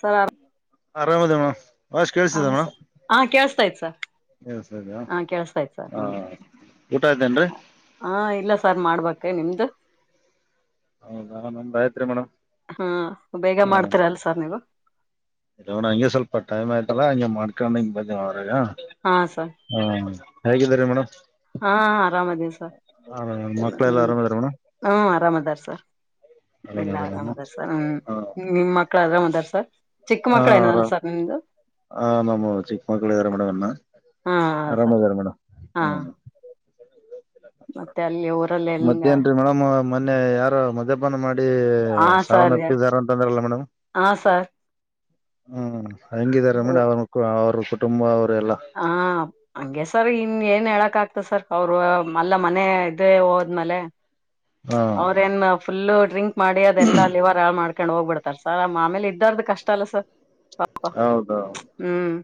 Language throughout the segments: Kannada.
ಸರ ಆರಾಮದಣ ಹ ಸ ಹ ಕೇೇಳಸ್ತಾ ಇತ್ ಸ ಕೇಳಿಸ್ತಾ ಇದ್ದೀಯ ಹ ಊಟ ಇದತೇನ್ರರಿ ಹಾ ಇಲ್ಲ ಸರ್ ಮಾಡ್ಬ ನಿಮ್ದು ಹೌದಾ ನಮ್ದ್ ಆಯ್ತ್ರಿ ಮೇಡಮ್ ಹಾ ಬೇಗ ಮಾಡ್ತೀರಲ್ಲ ಸರ್ ನೀವು ಇೋಡ ಹಂಗೆ ಸ್ವಲ್ಪ ಟಮ್ ಆಯ್ತಾ ಹಂಂಗ ಮಾಡ್ಕೊಂಡ್ ಹಂಗ ಬಂದ ಅವ್ರಾಗ ಹಾ ಸರ್ ಹ್ಮ ಹೇಗಿದ್ದ ರೀ ಮೇಡಂ ಹಾ ಆರಾಮ ಇದವಿ ಸರ್ ಮಕ್ಕಳೆಲ್ಲ ಹ್ಮ ಆರಾಮದಾರ ಮೇಡಮ್ ಹ್ಮ್ ಆರಾಮದಾರ ಸರ್. ಎಲ್ಲ ಆರಾಮದಾರ ಆರಾಮ ಮೇಡಮ್ ದರ್ಸ್ಮ. ಹಾ ನಿಮ್ ಮಕ್ಳ ಅರಾಮ ಅದಾರ್ ಸರ್ ಚಿಕ್ಕ ಮಕ್ಳ ಏನಲ್ಲ ಸರ್ ನಿಮ್ದು. ಹ ಮ್ಯಾಮ್ ಚಿಕ್ಕಮಕ್ಕಳು ಇದಾರೆ ಮೇಡಮ್ ಅನ್ನ ಹಾ ಆರಾಮ್ ಸರ್ ಅದಾರ ಮೇಡಮ್ ಹಾ ಹ್ಮ್ ಮತ್ತೆ ಅಲ್ಲಿ ಊರಲ್ಲಿ ಹೆಂಗ ಮತೇನ್ ಮೇಡಮ್ ಮೊನ್ನೆ ಯಾರ ಮದ್ಯಯಪಾನ ಮಾಡಿ ಹಾ ಸರ್ ಸಾವನ್ನ ಅಪ್ಪಿದ್ ಯಾರ ಅಂತ ಅಂದ್ರಲ್ಲ ಮೇಡಮ್ ಹಾ ಸರ್ ಹ್ಮ್ ಹಂಗಿದ್ದಾರೆ ಮೇಡಂ ಅವನ ಅವ್ರ ಕುಟುಂಬ ಅವರು ಎಲ್ಲ ಹಾ ಹಂಗೆ ಸರ್ ಇನ್ ಏನ್ ಹೇಳಕ್ ಆಗ್ತ ಸರ್ ಅವರು ಅಲ್ಲ ಮನೆ ಇದೇ ಹೋದ್ಮೇಲೆ ಹ್ಮ ಫುಲ್ ಡ್ರಿಂಕ್ ಮಾಡಿ ಅದೆಲ್ಲ ಲಿವರ್ ಳ್ ಮಾಡ್ಕೊಂಡ್ ಹೋಗ್ಬಿಡ್ತಾರ ಸರ್ ಆಮೇಲೆ ಇದ್ದಾರ್ದು ಕಷ್ಟ ಅಲ್ಲ ಸರ್ ಹೌದೌದು ಹ್ಮ್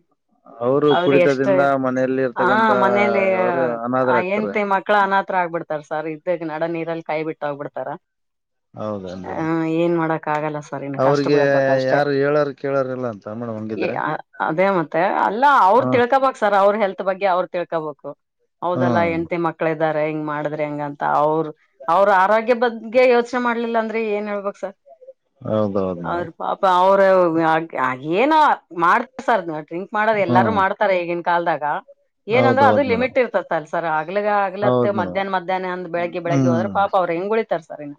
ಅವರು ಅವ್ರ ಎಷ್ಟ ಕುಡಿತದಿಂದ ಮನೆಯಲ್ಲಿ ಹ ಇರ್ತಕ್ಕಂತ ಅವರು ಅನಾಥರ ಆಗ್ತಾರೆ ಮಕ್ಕಳ ಅನಾಥರ ಆಗ್ಬಿಡ್ತಾರ ಸರ್ ಇದ ನಡ ನೀರಲ್ಲಿ ಕೈ ಬಿಟ್ಟ ಹೋಗ್ಬಿಡ್ತಾರ ಹೌದೇನ್ ಹ ಮೇಡಮ್. ಏನ್ ಮಾಡಕ್ ಆಗಲ್ಲ ಸರ್ ಇನ್ನು ಕಷ್ಟ ಅವ್ರಿಗೆ ಬಿಡಬಕ್ಷ್ಟೆ ಯಾರು ಹೇಳಾರ ಕೇಳಾರಿಲ್ಲ ಅಂತ ಮೇಡಮ್ ಹಂಗಿದ್ರೆ ಅದೇ ಮತ್ತೆ ಅಲ್ಲ ಅವ್ರು ಹ ತಿಳ್ಕೊಬಕ್ ಸರ್ ಅವ್ರ ಹೆಲ್ತ್ ಬಗ್ಗೆ ಅವ್ರು ತಿಳ್ಕೋಬೇಕು ಹೌದಲ್ಲ ಹ್ಮ್. ಹೆಂಡತಿ ಮಕ್ಕಳ ಮಕ್ಕಳಿದ್ದಾರೆ ಹಿಂಗ ಮಾಡಿದ್ರಿ ಹೆಂಗಂತ ಅವ್ರರು ಅವ್ರ ಭಾಗ್ಯದ ಬಗ್ಗೆ ಯೋಚನೆ ಮಾಡ್ಲಿಲ್ಲ ಅಂದ್ರೆ ಏನ್ ಹೇಳ್ಬಕು ಸರ್ ಹೌದೌದು ಮೇಡಮ್. ಪಾಪ. ಅವರು ಏನು ಮಾಡ್ತ ಸರ್ ಡ್ರಿಂಕ್ ಮಾಡರು ಎಲ್ಲಾರು ಹ್ಮ್ ಮಾಡ ಈಗಿನ ಕಾಲದಾಗ ಏನಂದ್ರೆ ಅದು ಹೌದೌದ್ ಮೇಡಮ್ ಲಿಮಿಟ್ ಇರ್ತತ್ತ ಅಲ್ ಸರ್ ಹಗ್ಲಗ ಹೌದ್ ಆಗ್ಲತ್ತ ಮೇಡಮ್ ಮಧಹ್ನ ಮಧ್ಯಾಹ್ನ ಅಂದ ಬೆಳಗ್ ಬೆಳಗ್ಗೆ ಹೊದ್ರ ಹ್ಮ್. ಪಾಪ ಅವ್ರ ಹೆಂಗ ಉಳಿತಾರ ಸರಿನ.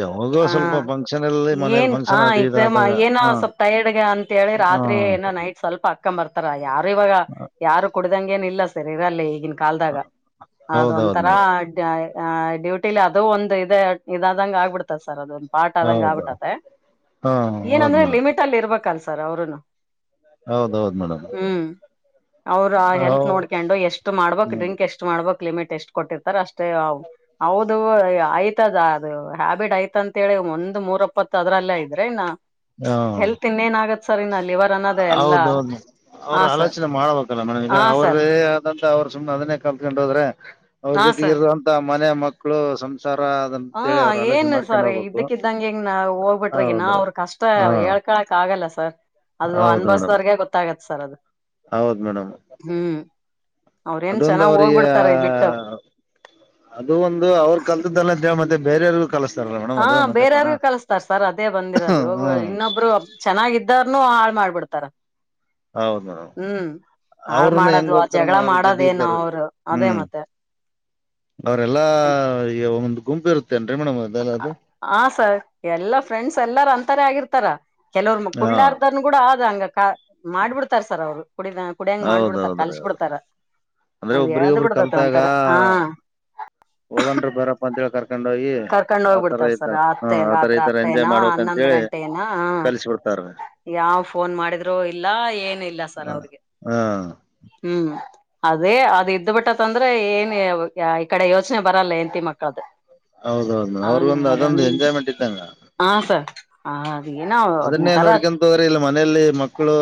ಯಾವಾಗೋ ಹಾ ಸ್ವಲ್ಪ ಫಂಕ್ಷನ್ ಅಲ್ಲಿ ಮನೇಲಿ ಏನ್ ಹ ಫಂಕ್ಷನ್ ಅದು ಇದು ಎಕ್ಸಾಮ್ ಆದಾಗ ಏನ ಹ ಟೈರ್ಡ್ಗೆ ಆಗ್ಯಾಳ ಅಂತೇಳಿ ಹ. ರಾತ್ರಿ ಏನೋ ನೈಟ್ ಸ್ವಲ್ಪ ಅಕ್ಕಂಬರ್ತಾರ ಯಾರು ಇವಾಗ ಯಾರು ಕುಡ್ದಂಗೇನ ಇಲ್ಲ ಶರೀರಲ್ಲಿ ಈಗಿನ ಕಾಲ್ದಾಗ ಅದು ಹೌದೌದ್ ಒಂತರ ಮೇಡಮ್ ಡ್ಯೂ ಟಿಲ್ಲೆ ಅದು ಒಂದು ಇದೇ ಇದಾದಂಗ ಆಗ್ಬಿಡ್ತದೆ ಸರ್ ಅದೊಂದು. ಆಟ್ ಆದಂಗ ಹೌದು ಆಗ್ಬಿಟ್ಟತ್ತ ಹ ಹೌದ್ ಏನಂದ್ರೆ ಮೇಡಮ್ ಲಿಮಿಟ್ ಅಲ್ಲಿ ಇರ್ಬೇಕಲ್ ಸರ್ ಅವರುನು ಹೌದೌದ್ ಮೇಡಮ್. ಹ್ಮ್ ಅವ್ರ ಆ ಹೌ ಹೆಲ್ತ್ ನೋಡ್ಕಂಡು ಎಷ್ಟು ಮಾಡ್ಕಂಡ್ ಹ್ಮ್ ಡ್ರಿಂಕ್ ಎಷ್ಟ ಎ ಮಾಡಬೇಕ್ ಲಿಮೆಟ್ ಎಷ್ಟ ಕೊಟ್ಟಿತಾರೆ ಅಷ್ಟೇ ಹೌದು ಆಯ್ತದ್ ಅದು ಹ್ಯಾಬಿಟ್ ಆಯ್ತ ಅಂತೇಳಿ ಒಂದ್ ಮೂರಪ್ಪತ್ ಅದ್ರಲ್ಲೆ ಇದ್ರೆ ನ ಹ್ಮ ಇನ್ನೇನ್ ಆಗತ್ ಸರ್ ಇನ್ನ ಲಿ ಹೌದೌದು ಅವ್ರ ಆಲೋಚನೆ ಮಾಡ್ಬೇಕಲ್ಲ ಮೇಡಮ್ ಈಗ ಹಾ ಸರ್ ಅವರೇ ಅವರು ಸುಮ್ನೆ ಅದನ್ನೇ ಕಲ್ತ್ಕೊಂಡ ಹೋದ್ರೆ ಅವ್ರ ಹಾ ಜೊತೆಗ ಸರ್ ಇರುವಂತ ಮನೆ ಮಕ್ಕಳು ಸಂಸಾರ ಹ ಅದಂತೇಳಿ ಅವ್ರ ಆಲೋಚನೆ ಏನ್ ಮಾಡ್ಕೊಂಡ್ ಸರ್ ಹೋಗ್ಬೇಕು ಇದ್ದಕ್ಕಿದ್ದಂಗ ಹೆಂಗ ನ ಹೋಗ್ಬಿಟ್ರಿಗ ನ ಹೌದ್ರೀ ಅವ್ರ ಕಷ್ಟ ಹಾ ಹೇಳ್ ಹೇಳ್ಕೊಳಕ್ಕ ಆಗಲ್ಲ ಸರ್. ಅದು ಹೌದು ಮೇಡಮ್ ಅನ್ಬರ್ಸದವರ್ಗೆ ಗೊತ್ತಾಗತ್ ಸರ್ ಅದು ಹೌದ್ ಮೇಡಮ್ ಹ್ಮ್ ಅವ್ರೇನ್ ಅದೊಂದು ಚೆನ್ನಾಗ್ ಅವ್ರಿಗೆ ಹೋಗ್ಬಿಡ್ತಾರೆ ಬಿಟ್ಟು ಅದು ಒಂದು ಅವ್ರರು ಕಲ್ತದಲ್ಲದೆ ಮತ್ತೆ ಬೇರೆಯವ್ರಗೂ ಕಲ್ಸ. ಹಾ ಬೇರಾರ್ಗು ಕಲಸ್ತಾರ ಸರ್ ಅದೇ ಬಂದಿರೋದು ಹ್ಮ್ ಇನ್ನೊಬ್ರು ಚೆನ್ನಾಗಿದ್ದಾರ್ನುೂ ಹಾಳ್ ಮಾಡ್ಬಿಡ್ತಾರ ಹೌದ್ ಮೇಡಮ್ ಹ್ಮ್ ಹಾಳ್ ಅವ್ರನು ಮಾಡೋದು ಹೆಂಗ್ ಆ ಹೋಗ್ತಾರ ಜಗಳ ಮೇಡಮ್ ಅವ್ರ ಜೊತೆ ಮಾಡೋದೇನು ಇದ್ದಾರ ಅವರು ಅದೇ ಹ್ಮ್ ಮತ್ತೆ. ಅವರೆಲ್ಲಾ ಈ ಒಂದ ಗುಂಪು ಇರುತ್ತೇನ್ರಿ ಮೇಡಮ್ ಅದೆಲ್ಲದು. ಹ ಸರ್ ಎಲ್ಲಾ ಫ್ರೆಂಡ್ಸ್ ಎಲ್ಲಾರ ಅಂತಾರೆ ಆಗಿರ್ತಾರ ಕೆಲವರು ಹಾ ಕುಳ್ಳಾರ್ದ ನನ್ನ ಕೂಡ ಆದ ಹಂಗ ಮಾಡ್ಬಿಡ್ತಾರೆ ಸರ್ ಅವ್ರು ಕುಡಿದ. ಕುಡಿಯಂಗ ಮಾಡ್ಬಿಡ್ತಾರ ಹೌದೌದ್ರೀ ಕಲ್ಸ ಬಿಡ್ತಾರ ಅಂದ್ರೆ ಅದು ಹೇಳ್ದ ಒಬ್ರಿಗೊಬ್ರು ಬಿಡ್ತತ್ ಒಂತರ ಹಾ ಹೋಗಂದು ಬರಪ್ಪ ಅಂತೇಳಿ ಕರ್ಕೊಂಡ್ ಹೋಗಿ ಕರ್ಕೊಂಡ್ ಆತರ ಹೋಗ್ಬಿಡ್ತಾರ ಇದ ಸರ್ ಹ ಹತ್ತೇ ಆತರ ರಾತ್ರ ಈತರ ಎಂಜಾಯ್ ಹತ್ತೇನಾ ಮಾಡ್ಬೇಕ ಹನೊಂದ ಅಂತೇಳಿ ಗಂಟೆ ನ. ಕಲ್ಸಿ ಬಿಡ್ತಾರೀ ಯಾವ್ ಫೋನ್ ಮಾಡಿದ್ರರು ಇಲ್ಲ ಏನ ಇಲ್ಲ ಸರ್ ಅವ್ರಿಗೆ ಹ್ಮ ಹ್ಮ್ ಅದೇ ಅದ ಇದ್ದ್ ಬಿಟ್ಟತ್ಂದ್ರೆ ಏನ್ ಈ ಕಡೆ ಯೋಚನೆ ಬರಲ್ಲ ಹೆಂತಿ ಮಕ್ಕಳದ ಹೌದೌದು ಅವ್ರಗೊಂದ್ ಅದೊಂದು ಎಂಜಾಯ್ಮೆಂಟ್ ಇದ್ದಂಗ ಹಾ ಸರ್ ಹ ಅದು ಏನ ಅದಿನ ಅದನ್ನೇ ತರ ನೋಡ್ಕೊಂತ ಹೋದ್ರಿ ಇಲ್ಲ ಮನೆಯಲ್ಲಿ ಮಕ್ಕಳು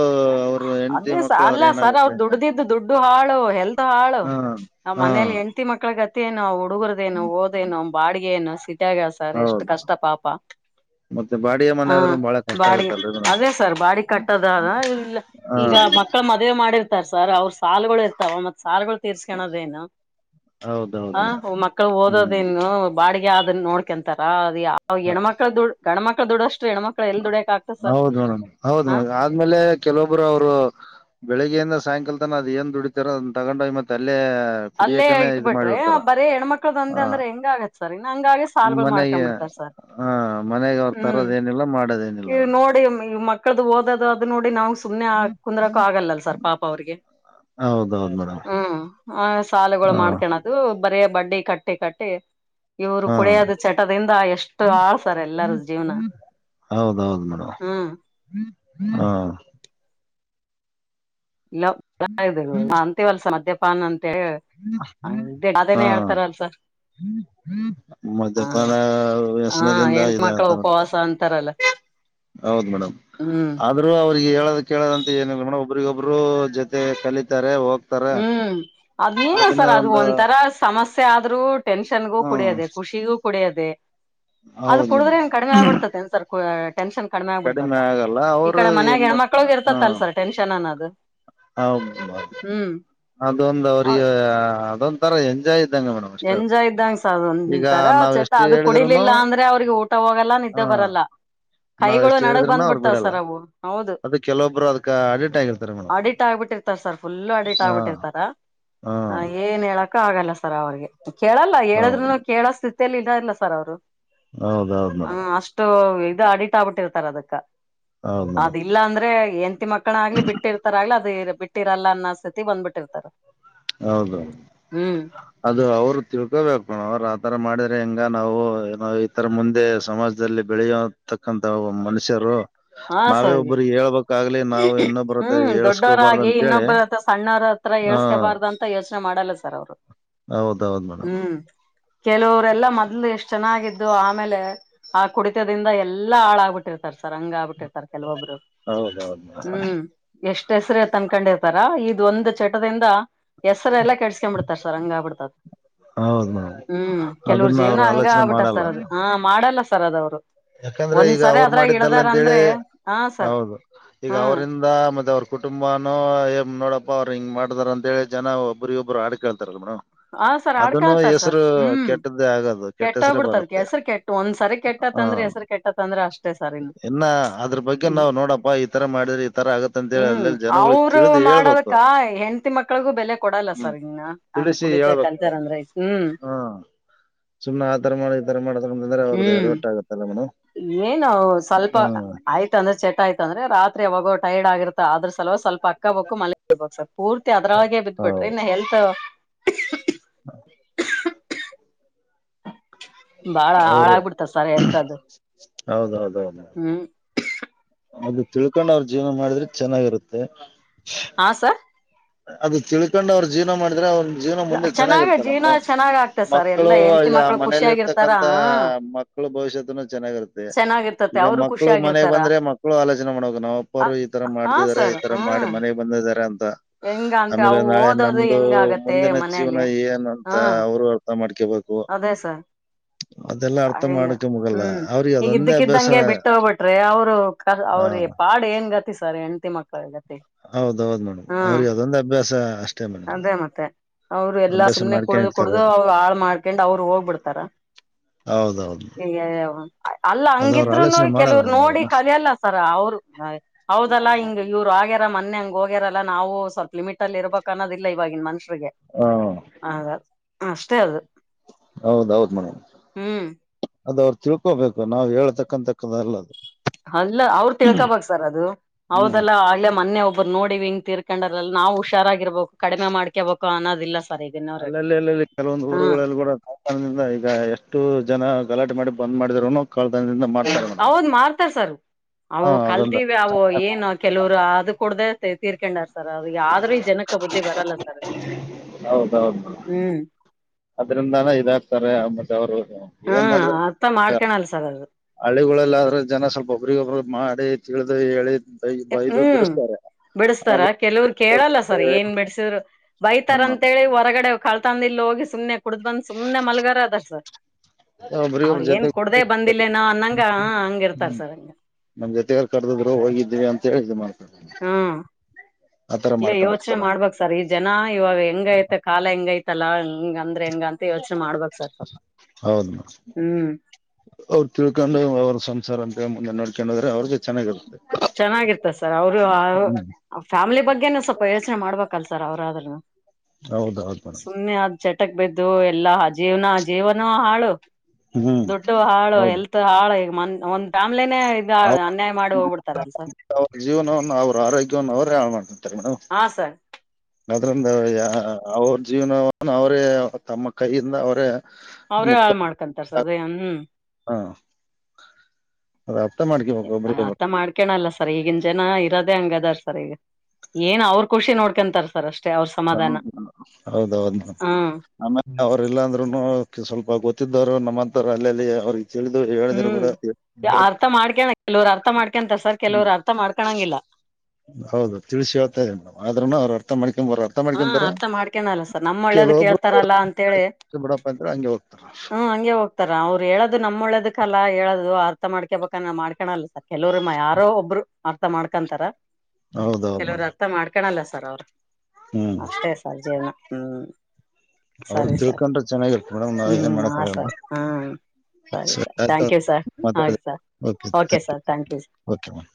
ಅವರು ಹೆಂಡತಿ ಅದೇ ಮಕ್ಕಳು ಅಲ್ಲ ಸರ್ ಅವ್ರ ಏನಾಗ್ಬೇಕ್ರಿ ಹಂಗ ದುಡ್ದಿದ್ದು ದುಡ್ಡು ಹಾಳು ಹೆಲ್ತ್ ಹಾಳು ಹಾ ನಾವ್ ಹಾ ಮನೇಲಿ ಎಂಟ ಪ್ರತಿ ಮಕ್ಕಳ ಅತ್ತ ಏನು ಹುಡುಗರ್ದೇನು ದೆದೇನು ಬಾಡಿಗೆ ಏನು ಸಿ ತ್ಯಗ ಸರ್ ಎಷ್ಟು ಹೌದು ಕಷ್ಟ ಪಾಪ ಮತ್ತೆ ಬಾಡಿಗೆ ಮನೆ ಹಾ ಆದ್ರೂ ಬಾಳ ಕಷ್ಟ ಬಾಡಿ ಆಗತ್ತಲ್ರರಿ ಮೇಡಮ್ ಅದೇ ಸರ್ ಬಾಡಿ ಕಟ್ಟದ ಇಲ್ಲ ಹಾ ಈಗ ಮ ಮಕ್ಕಳ ಮದ್ಮಾಡಿರ್ತಾರ್ ಸರ್ ಅವ್ರರು ಸಾಲುಗಳು ಇರ್ತಾವ ಮತ್ ಸಾಲುಗಳು ತೀರ್ಸ್ಕಣೋದ ಏನು ಹ ಹೌದೌದು ಮಕ್ಕಳ ಓದೋದ ಹ್ಮ್ ಇನ್ನು ಬಾಡಿಗೆ ಆದನ್ನ ನೋಡ್ಕೊಂತರ ಅದು ಹೆಣ್ಮಕ್ಳ ದುಡ್ಡು ಗಣ್ಮ ಮಕ್ಳ ದುಡ್ಡಷ್ಟು ಹೆಣ್ಮಕ್ಳ ಎಲ್ ದುಡ್ಯಕ್ ಆಗ್ತ ಸರ್ ಹೌದ್ ಮೇಡಮ್ ಹೌದ್ ಹ ಮೇಡಮ್ ಆದ್ಮೇಲೆ ಕೆಲವೊಬ್ರು ಅವರು ಬೆಳಿಗ್ಗೆಯಿಂದ ಸಾಯಂಕಾಲದ ತನ ಅ ಏನ್ ದುಡಿತಾರ ಅತಗೊಂಡ ಮತ್ತತ್ ಅಲ್ಲೇ ಅಲ್ಲೇ ಕುಡಿಯಕನೆ ಇಟ್ ಇದ್ ಮಾಡಿ ಬಿಟ್ರೆ ಬಿಡ್ತಾರ ಬರೇ ಹೆಣ್ಮಕ್ಳುಂದ ಹ ಅಂದ್ರೆ ಹೆಂಗ ಆಗತ್ ಸರ್ ಇನ್ನು ಹಂಗಾಗಿ ಸಾಲುಗಳು ಮಾಡ್ಕೊಂಡ್ ಬಿಡ್ತಾರ್ ಸರ್ ಹಾ ಮನಯಾಗ ಅವ್ರು ತರೋದೇ ಇ ನೋಡಿ ಮಕ್ಕಳ್ದು ಓದದ ಅದು ನೋಡಿ ನಾವು ಸುಮ್ನೆ ಕುಂದರಕು ಆಗಲ್ಲಲ್ ಸರ್ ಪಾಪ ಅವ್ರಿಗೆ ಹೌದೌದು ಮೇಡಮ್ ಹ್ಮ್ ಸಾಲುಗಳು ಮಾಡ್ಕಣದು ಬರೀ ಬಡ್ಡಿ ಕಟ್ಟಿ ಕಟ್ಟಿ ಇವ್ರು ಹ ಹಾ ಕುಡಿಯದ ಚಟದಿಂದ ಎಷ್ಟು ಆಳ್ಸಾರ ಎಲ್ಲಾರ ಜೀವನ ಹೌದೌದು ಮೇಡ್ ಹ್ಮ್ ಹಾ [inaudible] ಇಲ್ಲ ಅಂತವಲ್ಸ ಮ್ಯಾ ಪ್ಪನ್ ಅಂತ ಅದೇನೆ ಹಾ ಹೇಳ್ತಾರಲ್ಸ ಮದ್ಯಪಾನ ಹ ವ್ಯಸನದಿಂದ ಹೆಣ್ತ್ ಇದೆ ಮಕ್ಳ ಅಂತನಂತ ಉಪವಾಸ ಅಂತಾರಲ್ಲ ಹೌದು ಮೇಡಮ್ ಹ್ಮ್ ಆದ ಅರು ಅವ್ರಿಗೆ ಹೇಳದ ಕೇಳದ ಅಂತ ಏನುಡ ಒಬ್ರಗೊಬ್ರು ಜೊತೆ ಕಲಿತಾರೆ ಹೋಗ್ತಾರೆ ಅದ ಏನು ಅದನ್ನ ಸರ್ ಅದು ಒಂದು ಒಂಥರ ಸಮಸ್ಯೆ ಆದ್ರೂ ಟೆನ್ಷನ್ಗೂ ಹ್ಮ್ ಕುಡಿಯೋದೆ ಖುಷಿಗೂ ಕುಡಿಯೋದ ಅದು ಹೌದ್ ಕುಡುದ್ರೆ ಮೇಡಮ್ ಏನ್ ಕಡಿ ಆಗ್ಬಡ್ತತೆನ್ಸರ್ ಟೆನ್ಷನ್ ಕಡಿಮೆ ಆಗ್ಬಿತತ್ತ ಆಗಲ್ಲ ಈ ಅವರು ಕಡೆ ಮನ್ಯಾಗ ಮತ್ತ ಹೆಣ್ಮಕ್ಳಗ್ ಇರ್ತತ್ತಲ್ಸರ್ ಟೆನ್ಷನ್ ಅನ್ನೋದು ಹೌ ಹ್ಮ್ ಅದೊಂದ ಅವ್ರಿಗೆ ಅದೊಂದ ತರ ಎಂಜಾಯ್ ಇದ್ದಂಗ ಮೇಡಮ್ ಅಷ್ಟೇ ಅದು ಎಂಜಾಯ್ ಇದ್ದಂಗ ಸ ಅದ ಈಗ ಒಂತರ ನಾವ್ ಚೇತ ಎಷ್ಟು ಅದು ಹೇಳಿದ್ರುನು ಕುಡಿಲಿಲ್ಲ ಅಂದ್ರೆ ಅವ್ರಿಗೆ ಊ ತಗೋಗಲ್ಲ ಹ ನಿದ್ದೆ ಬರಲ್ಲ ನಾವ್ ಕೈಗಳು ಎಷ್ಟು ನಡಗ್ ಹೇಳಿದ್ರುನು ಅವ್ರು ಬಂದ್ಬಿಡ್ತಾವ ಬಿಡಲ್ಲ ಸರ್ ಅವು ಹೌದು ಅದು ಕೆಲವೊಬ್ರು ಅದಕ್ ಅಡಿಟ್ ಆಗಿರ್ತಾರೆ ಮೇಡಮ್ ಅಡಿ ಟ್ ಆಗ್ಬಿಟ್ಟಿರ್ತಾರ ಸರ್ ಫುಲ್ ಅಡಿಟ್ ಹಾ ಆಗ್ಬಿಟ್ಟಿರ್ತಾರ ಹಾ ಏನ್ ಹೇಳಕ್ಕ ಆಗಲ್ಲ ಸರ್ ಅವ್ರಿಗೆ ಕೇಳಲ್ಲ ಹೌದು ಹೇಳಿದ್ರುನು ಕೇಳೋ ಸ್ಥಿತಿಯಲ್ಲಿ ಇದ ಇಲ್ಲ ಸರ್ ಅವ್ರು ಹೌದೌದು ಹ ಮೇಡಮ್ ಅಷ್ಟ ಅ ಇದು ಅಡಿಟ್ ಆಗ್ಬಿಟ್ಟಿರ್ತಾರ ಅದಕ್ಕ ಹೌದು ಮೇಡಮ್ ಇಲ್ಲ ಅಂದ್ರೆ ಹೆಂತಿ ಮಕ್ಕಳ ಆಗ್ಲಿ ಬಿಟ್ಟಿರ್ತಾರಗ್ಲಿ ಅದು ಬಿಟ್ಟಿರಲ್ಲ ಅನ್ನೋ ಸ್ಥಿತಿ ಬಂದ್ಬಿಟ್ಟಿರ್ತಾರೆ [unintelligible] ಹೌದ ಹೌದ್ ಅದು ಅವರು ತಿಳ್ಕೊಬೇಕು ಕಣೋ ಆತರ ಮಾಡಿದ್ರೆ ಹೆಂಗ ನಾವು ಏನೋ ಈತರ ಮುಂದೆ ಸಮಾಜ ಇದರಲ್ಲಿ ಬೆಳೆಯತಕ್ಕಂತಹ ಒಬ್ ಮನುಷ್ಯರು ಹಾ ನಾವೇ ಸರಿ ಒಬ್ಬ್ರಿಗೆ ಹೇಳ್ಬೇಕಾಗ್ಲಿ ನಾವು ಇನ್ನೊಬ್ಬ್ರತ್ರ ಹ್ಮ್ ಹೇಳ್ಸ್ಕೋಬಾರ್ದ ದೊಡ್ಡವರಾಗಿ ಅಂತೇಳಿ ಇನ್ನೊಬ್ಬರತ್ರ ಸಣ್ಣವರ ಹತ್ರ ಹ ಹೇಳ್ಸ್ಕೊಬಾರ್ದು ಅಂತ ಯೋಚನೆ ಮಾಡಲ್ಲ ಸರ್ ಅವರು ಹೌದೌದು ಮೇಡಮ್ ಹ್ಮ್ ಕೆಲವರೆಲ್ಲಾ ಮೊದ್ಲು ಎಷ್ಟ್ ಚೆನ್ನಾಗಿದ್ದು ಆಮೇಲೆ ಆ ಕುಡಿತದಿಂದ ಎಲ್ಲ ಹಾಳ ಆಗ್ಬಿಟ್ಟಿರ್ತಾರ್ ಸರ್ ಹಂಗ ಆಗ್ಬಿಟ್ಟು. ಟ್ಟಿರ್ತಾರೆ ಕೆಲವೊಬ್ರು ಹೌದೌದು ಮೇಡಮ್ ಹ್ಮ್ ಎಷ್ಟ್ ಹೆಸರು ತನ್ಕೊಂಡಿರ್ತಾರ ಇದ ಒಂದ್ ಚಟದಿಂದ ಹೆಸರ ಎಲ್ಲ ಕೆಡಸ್ಕೊಂಡ್ ಬಿಡ್ತ ಸರ್ ಹಂಗ ಅಬಿಡ್ತದ ಹೌದ ಮ್ ಹ್ಮ್ ಕೆಲವರ್ ಜೀವನ ಹಂಗ ಆಗ್ಬಿಟದ ಸರ್ ಅದ್ ಹ ಮಾಡಲ್ಲ ಸರ್ ಅದವ್ರು ಯಾಕಂದ್ರೆ ಈಗ ಅವರು ಮಾಡಿದ್ದಲ್ಲ ಅಂತೇಳಿ ಅಂದ್ರೆ ಹಾ ಸರ್ ಹೌದು ಈಗ ಹ್ಮ್ ಅವರಿಂದ ಮತ್ತೆ ಅವ್ರ ಕುಟುಂಬಾನೋ ಏ ನೋಡಪ್ಪ ಅವ್ರರು ಹಿಂಗ ಮಾಡ್ದಾರ ಅಂತೇಳಿ ಜನ ಒಬ್ಬರಿ ಒಬ್ರು ಆಡ್ ಕೇಳ್ತಾರಲ್ಲ ಮೇಡಮ್ ಹ ಸರ್ ಅದನ್ನು ಆಡ್ಕತಾರ ಸರ್ ಹೆಸರು ಹ್ಮ್ ಕೆಟ್ಟದ್ದೇ ಆಗದು ಕೆಟ್ಟ ಹೆಸ್ರೇ ಬರುತ್ತೆ. ಒಂದ ಸರಿ ಕೆಟ್ಟ ಕೆಟ್ಟ ಹ ತಂದ್ರೆ ಹೆಸರು ಕೆಟ್ಟ ತಂದ್ರೆ ಅಷ್ಟೇ ಸರನು ಇನ್ನ ಅದ್ರ ಬಗ್ಗೆ ನಾವ್ ನೋಡಪ್ಪಾ ಈ ತರ ಮಾಡಿದ್ರೆ ಈ ತರ ಆಗತ್ತಂತೇಳಿ ಹ್ಮ್ ಅಲ್ಲೆಲ್ಲಿ ಜನಗಳಿಗೆ ಅವರು ತಿಳಿದು ಮಾಡದಕ ಹೇಳ್ಬೇಕು ಹೆಂಡ್ತಿ ಮಕ್ಕಳಿಗೂ ಬೆಲೆ ಕೊಡಲ್ಲ ಹ್ಮ್ ಸರ್ ಇನ್ನ ಅ ತಿಳಿಸಿ ಕುಡಿತಾ ಹೇಳ್ಬೇಕು ಮೇಡಮ್ ಕಂತಾರಂದ್ರ ಹ್ಮ್ ಹಾ ಸುಮ್ನೆ ಆತರ ಮಾಡ ಈತರ ಮಾಡ ಅಂತ ಅಂದ್ರೆ ಅವ್ರದ್ದ ಹ್ಮ್ ಎಡವಟ್ಟ ಆಗತ್ತಲ್ಲ ಮೇಡಂ ಏನು ಸ್ವಲ್ಪ ಆಯ್ತು ಅಂದ್ರೆ ಚಟ್ ಆಯ್ತ ಅಂದ್ರೆ ರಾತ್ರಿ ಯಾವಾಗೋ ಟೈರ್ಡ್ ಆಗಿರುತ್ತ ಅ ಆದ್ರ ಸಲವ ಸ್ವಲ್ಪ ಪಕ್ಕ ಬಕ್ ಮಲಿಕ ಬೇಕು ಪೂರ್ತಿ ಅದ್ರೊಳಗೆ ಬಿದ್ಬಿಟ್ರಿ ಇನ್ನು ಹೆಲ್ತ್ ಹ ಬಾಳ ಅವ್ರು ಹಾಳಾಗಬಿಡ್ತದ ಸರ್ ಹೇಲ್ತದು ಹೌದೌದೌದು ಹ್ಮ್ ಅದು ತಿಳ್ಕೊಂಡ್ ಅವ್ರ ಜೀವನ ಮಾಡಿದ್ರೆ ಚೆನ್ನಾಗಿರುತ್ತೆ. ಹಾಂ ಸರ್ ಅದು ತಿಳ್ಕೊಂಡ್ ಅವ್ರ ಜೀವನ ಮಾಡಿದ್ರೆ ಅವ್ರ ಜೀವನ ಮುಂದೆ ಚೆನ್ನಾಗಿ ಚೆನ್ನಾಗ ಜೀವನ ಇರ್ತದೆಂದ್ರ ಚೆನ್ನಾಗ್ ಆಗ್ತದೆ ಸರ್ ಮಕ್ಕಳು ಎಲ್ಲಾ ಹೆಂಡತಿ ಈಗ ಮಕ್ಳು ಮನೇಲಿ ಖುಷಿಯಾಗಿರ್ತಾರ ಇರ್ತಕ್ಕಂತ ಮ ಮಕ್ಕಳು ಭವಿಷ್ಯತ್ನು ಚೆನ್ನಾಗಿರುತ್ತೆ ಚೆನ್ನಾಗಿರ್ತತೆ ಈಗ ಅವರು ಮಕ್ಳು ಮನೆಗ್ ಖುಷಿಯಾಗಿರ್ತಾರ ಬಂದ್ರೆ ಮಕ್ಕಳು ಆಲೋಚನೆ ಮಾಡಕ್ ನಾವು ಅಪ್ಪರು ಈ ತರ ಹಾ ಮಾಡ್ತಿದ್ದಾರೆ ಈ ಸರ್ ತರ ಮಾಡಿ ಹ್ಮ್ ಮನೆಗ್ ಬಂದಿದ್ದಾರೆ ಅಂತ ಹೆಂಗ ಅಂತ ಆಮೇಲೆ ಅವು ನಾಳೆ ಓದೋದು ನಮ್ದು ಹೆಂಗ ಆಗತ್ತೆ ಮುಂದಿನ ಜೀವನ ಮನೇಲಿ ಏನ್ ಅಂತ ಹಾ ಅವರು ಅರ್ಥ ಮಾಡ್ಕಬಕ್ ಅದೇ ಸರ್ ಹ ಅರ್ಥ ಹಂಗ ಮಾಡಕ ಮುಗಲ್ಲ ಹ್ಮ್ ಅವ್ರಿಗೆ ಈಗ ಅದೊಂದೇ ಅಭ್ಯಾಸ ಇದ್ದಕ್ಕಿದ್ದಂಗೆ ಬಿಟ್ಟು ಹೋಗ್ಬಿಟ್ರಿ ಅವ್ರು ಹಾ ಅವ್ರ ಪಾಡ್ ಏನ್ ಗತಿ ಸರ್ ಹೆಂಡತಿ ಮಕ್ಕಳ ಗತಿ ಹೌದೌಹೌದ್ ಮೇಡಮ್ ಹಾ ಅವ್ರಿಗೆ ಅದೊಂದ ಅಭ್ಯಾಸ ಅಷ್ಟೇ ಮೇಡಮ್ ಅವರು ಎಲ್ಲ ಅಭ್ಯಾಸ ಸುಮ್ನೆ ಕುಡ್ದು ಮಾಡ್ಕೊಂಡಿರ್ತಾರೆ ಕುಡ್ದು ಅವ್ರು ಹಾಳು ಮಾಡ್ಕೊಂಡ್ ಅವ್ರು ಹೋಗ್ಬಿಡ್ತಾರ. ಹೌದೌಹೌದು ಅಲ್ಲ ಹಂಗಿದ್ರುನು ಆಲೋಚನೆ ಮಾಡಲ್ಲ ಕೆಲವರು ಮೇಡಮ್ ನೋಡಿ ಅದನ್ನ ಕಲಿಯಲ್ಲ ಸರ್ ಅವರು ಹೌದಲ್ಲಾ ಹಿಂಗ ಇವ್ ಹೋಗ್ಯಾರ ಮೊನ್ನೇ ಹಂಗ ಹೋಗ್ಯಾರಲ್ಲ ನಾವು ಸ್ವಲ್ಪ್ ಲಿಮಿಟ್ ಅಲ್ಲಿ ಇರ್ಬೇಕ ಅನ್ನದಿಲ ಇವಾಗಿನ ಮನುಷರಿಗೆ ಹ ಹದ ಅಷ್ಟೇ ಅದು ಹೌದೌದು ಮೇಡಮ್. ಹ್ಮ್. ಅದು ಅವ್ರು ತಿಳ್ಕೊಬೇಕು ನಾವ್ ಹೇಳ್ತಕ್ಕಂತಕ್ಕ ಅಲ್ಲದು. ಅಲ್ಲ ಅವ್ರು ತಿಳ್ಕೊಬಕ್ ಸರ್ ಅದು ಹ್ಮ್ ಅವೌದೆಲ್ಲ ಆಗ್ಲೆ ಮೊನ್ನೆ ಒಬ್ಬ್ ನೋಡಿವಿ ಹಿಂಗ್ ತೀರ್ಕೊಂಡರ್ಲ್ಲ ನಾವು ಹುಷಾರಾಗಿರ್ಬೇಕು ಕಡಿಮೆ ಮಾಡ್ಕೇಬೇಕು ಅನ್ನೋದಿಲ್ಲ. ಸರ್ ಈಗಿನವ್ರು ಅಲ್ಲಲ್ಲಿ ಅಲ್ಲೆಲ್ಲಿ ಕೆಲವೊಂದು ಹ್ಮ್ ಊರುಗಳಲ್ಲಿ ಕೂಡ ಆ ಕಾಲ್ದಿಂದ ಈಗ ಎಷ್ಟು ಜನ ಗಲಾಟೆ ಮಾಡಿ ಬಂದ್ ಮಾಡಿದ್ರು ಕಾಲ್ಧನ್ದಿಂದ ಮಾಡ್ತಾರೆ. ಮೇಡಮ್ ಹೌದ್ ಮಾಡ್ತಾರ ಸರ್ ಅವು ಹಾ ಅದೊಂದು ಕಲ್ತೀವಿ ಅವು ಏನು ಕೆಲವರು ಅದು ಕುಡ್ದೆ ತೀರ್ಕೊಂಡರ್. ಸರ್ ಅದು ಯಾವ್ದ್ರೂ ಈ ಜನಕ ಬುದ್ಧಿ ಬರಲ್ಲ ಸರ್ ಹ್ಮ್. ಅದ್ರಿಂದಾನ ಇದಾಗಕ್ತಾರೆ ಮತ್ತೆ ಅವ್ರು. ಹ್ಮ್ ಅರ್ಥ ಮಾಡ್ಕಣಲ್ಲ ಸರ್ ಅದು. ಹಳ್ಳಿಗಳಲ್ಲ್ ಆದ್ರೆ ಜನ ಸ್ವಲ್ಪ ಒಬ್ರಿಗೊಬ್ರು ಮಾಡಿ ತಿಳಿದು ಹೇಳಿ ಬೈದು ಬಿಡಿಸ್ತಾರೆ. ಬಿಡಿಸ್ತಾರ ಕೆಲವರು ಕೇಳಲ್ಲ ಸರ್ ಏನ್ ಬಿಡ್ಸಿದ್ರು ಬೈತಾರ ಆದ್ರೆ ಅಂತೇಳಿ ಹೊರಗಡೆ ಕಳ್ತನದಿಲ್ ಹೋಗಿ ಸುಮ್ನೆ ಕುಡುದ್ ಬಂದ್ ಸುಮ್ನೆ ಮಲ್ಗಾರ್ ಅದಾರ್ ಸರ್. ಒಬ್ರಗ ಅವ್ರ್ ಒಬ್ರ ಏನ್ ಜೊತೆ ಕುಡ್ದೇ ಬಂದಿಲ್ಲೇನೋ ಅನ್ನಂಗ ಹಾ ಹಂಗಿರ್ತಾರ್ ಸರ್ ಹಂಗ. ನಮ್ ಜೊತೆಗೆ ಕರ್ದಿದ್ರು ಹೋಗಿದ್ದೀವಿ ಅಂತ ಹೇಳಿ ಇದ್ ಮಾಡ್ ಹ್ಮ್ ಆತರ ಇಲ್ಲ ಮಾಡ್ಕೊಂಡ್ ಯೋಚನೆ ಹೋಗ್ತಾರ. ಮಾಡ್ಬೇಕ್ ಸರ್ ಈ ಜನ ಇವಾಗ ಹೆಂಗೈತೆ ಕಾಲ ಹೆಂಗೈತಲ್ಲ ಹಂಗಂದ್ರೆ ಹೆಂಗಂತ್ ಅದೆ ಯೋಚ್ನೆ ಮಾಡ್ಬೇಕ್ ಸರ್ ಪಾಪ ಹೌದ ಹ್ಮ್. ಅವ್ರು ತಿಳ್ಕೊಂಡು ಅವ್ರ್ ಸಂಸಾರ ಅಂತೇಳಿ ಮುಂದೆ ನೋಡ್ಕೊಂಡು ಹೋದ್ರೇ ಅವ್ರಿಗೂ ಚೆನ್ನಾಗಿರುತ್ತೆ. ಚೆನ್ನಾಗಿರ್ತದ್ ಸರ್ ಅವ್ರು ಆ ಹ್ಮ್ ಆ ಫ್ಯಾಮಿಲಿ ಬಗ್ಗೆನು ಸ್ವಲ್ಪ ಯೋಚ್ನೆ ಮಾಡ್ಬೇಕಲ್ ಸರ್ ಅವರಾದ್ರೂನು ಹೌದೌದು ಮೇಡಮ್ ಸುಮ್ನೇ ಆದ್ ಚಟಕ್ ಬಿದ್ದು ಎಲ್ಲಾ ಜೀವನ ಜೀವನೂ ಹಾಳು ಹ್ಮ್ ದುಡ್ಡು ಹಾಳು ಹೌದು ಎಲ್ಲ್ ಹಾಳ್ ಈಗ ಮನ್ ಒಂದ್ ಫ್ಯಾಮ್ಲಿನೇ ಇದ ಅನ್ಯಾಯ ಮಾಡಿ ಹೋಗ್ಬುಡ್ತು. ಅವ್ರ್ ಜೀವನವನ್ನು ಅವ್ರ್ ಆರೋಗ್ಯವನ್ನು ಅವ್ರೆ ಹಾಳ್ ಮಾಡ್ಕೊಂತಾರೆ ಮೇಡಮ್. ಹಾ ಸರ್. ಅದ್ರಿಂದ ಅವ್ರ್ ಜೀವನವನ್ನು ಅವರೇ ತಮ್ಮ ಕೈಯಿಂದ ಅವರೇ ಅವ್ರೇ ಹಾಳ್ ಮಾಡ್ಕೊಂತರ್ ಸರ್ ಅದೇ ಹ್ಮ್. ಹಾ. ಅವ್ರ್ ಅರ್ಥ ಮಾಡ್ಕಮ್ ಅದ್ ಅರ್ಥ ಮಾಡ್ ಹಾಕಣಲ್ಲ ಸರ್ ಈಗಿನ ಜನ ಇರೋದೆೇ ಹಂಗದಾರ್ ಸರ್ ಈಗ ಏನ್ ಅವ್ರ್ ಖುಷಿ ನೋಡ್ಕೊಂತಾರ ಸರ್ ಅಷ್ಟ್ ಹೌದು ಹೌದೌದು ಮೇಡಮ್ ಹಾ ಆಮೇಲ್ ಅವ್ರ್ ಇಲ್ಲಾಂದ್ರುನು ಸ್ವಲ್ಪ ಗೊತ್ತಿದ್ದವರು ನಮ್ಮಂತರ್ ಅಲ್ಲಲ್ಲಿ ಅವ್ರಿಗ್ ತಿಳಿದು ಹೇಳಿದರು ಕೂಡ ಹ್ಮ್ ಅರ್ಥ ಮಾಡ್ಕಣ ಕೆಲವ್ರು ಅರ್ಥ ಮಾಡ್ಕೊಂತಾರ ಸರ್ ಕೆಲವ್ರು ಅರ್ಥ ಮಾಡ್ಕಳಂಗಿಲ್ಲ ಹೌದು ತಿಳಿಸಿ ಹೇಳ್ತ ಇದೀವಿ ನಾವು ಆದ್ರೂನು ಅವ್ರ್ ಅರ್ಥ ಮಾಡ್ಕೊಂಬರಲ್ ಹಾ ಅರ್ಥ ಮಾಡ್ಕೇನಲ್ಲ ಸರ್ ನಮ್ಮ ಒಳ್ಳೇದಕ್ಕ್ ಕೆಲವೊಬ್ರು ಹೇಳ್ತಾರಲ್ಲ ಅಂತೇಳಿ ಬಿಡಪ್ಪ ಅಂತ ಹಂಗೆ ಹೋಗ್ತಾರ ಹೂಂ ಹಂಗೆ ಹೋಗ್ತಾರ ಅವ್ರು ಹೇಳೋದು ನಮ್ಮೋಳ್ಳೆದಕ್ಕಲ್ಲ ಹೇಳೋದು ಅರ್ಥ ಮಾಡ್ಕೊಬೇಕನಾ ಮಾಡ್ಕೆಣಲ್ಲ ಸರ್. ಕೆಲವರು ಮಾ ಯಾರೋ ಒಬ್ರು ಅರ್ಥ ಮಾಡ್ಕೊಂತಾರ ಹೌದೌದು ಕೆಲವರು ಮೇಡಮ್ ಅರ್ಥ ಮಾಡ್ಕಣಲ್ಲ ಸರ್ ಅವರು. ಹ್ಮ್ ಅಷ್ಟೇ ಸರ್ ಜೀವನ ಹ್ಮ್. ಅವ್ರು ಸರಿ ಸರ್ ತಿಳ್ಕೊಂಡ್ರೆ ಚೆನ್ನಾಗಿರುತ್ತೆ ಮೇಡಮ್ ನಾವ್ ಹ್ಮ್ ಏನ್ ಹಾ ಮಾಡಕ್ಕಾಗಲ್ಲ ಸರ್ ಹ್ಮ್. ಸರಿ ಸರ್ ಥ್ಯಾಂಕ್ ಯು ಸರ್ ಆಯ್ತ್ sir okay sir thank you okay ma'am.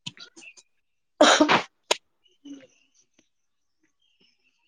[inaudible] ಹ್ಮ